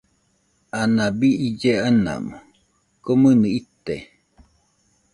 Anabi ille anamo, komɨnɨ ite.